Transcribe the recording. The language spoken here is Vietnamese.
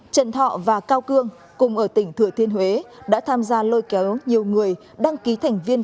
trần thọ và cao cương cùng ở tỉnh thừa thiên huế đã tham gia lôi kéo nhiều người đăng ký thành viên